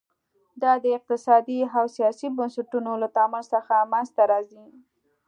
دا د اقتصادي او سیاسي بنسټونو له تعامل څخه منځته راځي.